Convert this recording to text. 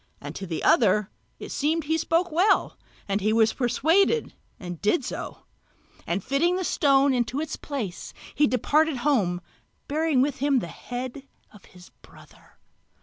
And to the other it seemed that he spoke well, and he was persuaded and did so; and fitting the stone into its place he departed home bearing with him the head of his brother.